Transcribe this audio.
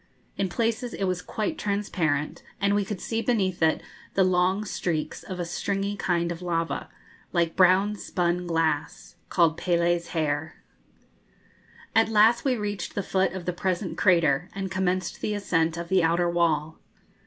In places it was quite transparent, and we could see beneath it the long streaks of a stringy kind of lava, like brown spun glass, called 'Pélé's hair.' At last we reached the foot of the present crater, and commenced the ascent of the outer wall.